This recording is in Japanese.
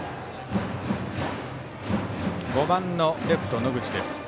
５番のレフト、野口です。